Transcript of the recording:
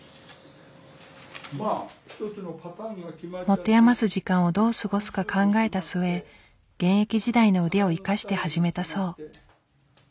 持て余す時間をどう過ごすか考えた末現役時代の腕を生かして始めたそう。